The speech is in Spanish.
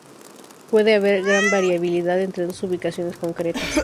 Puede haber gran variabilidad entre dos ubicaciones concretas.